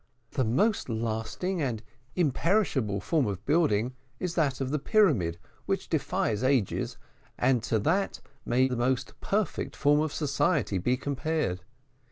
"The most lasting and imperishable form of building is that of the pyramid, which defies ages, and to that may the most perfect form of society be compared.